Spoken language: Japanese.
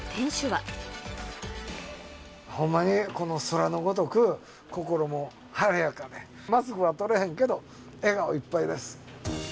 ほんまに、この空のごとく、心も晴れやかで、マスクは取れへんけど、笑顔いっぱいです。